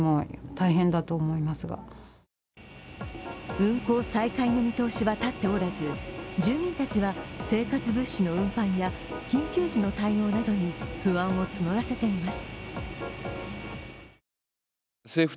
運航再開の見通しは立っておらず住民たちは生活物資の運搬や緊急時の対応などに不安を募らせています。